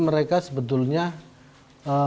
mereka sebetulnya memperoleh